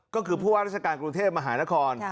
ก็คือผู้ว่าราชการกรุงเทพมหานคร